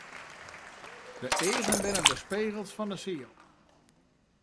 De eagen binne de spegels fan 'e siel.